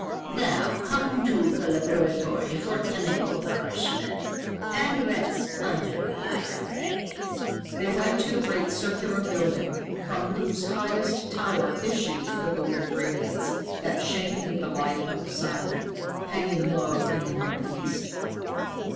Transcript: Now come to the laboratory for chemical nourishment and rest under the Life Ray." They went to the great circular building from whose highest tower issued the golden radiance that shamed the light of the sun, hanging low in the northeast.